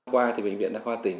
qua thì bệnh viện đa khoa tỉnh